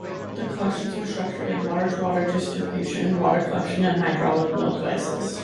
The collections are structured in large water distribution, water collection and hydraulic mill devices.